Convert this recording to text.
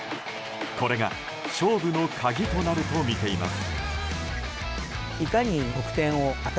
これが勝負の鍵となるとみています。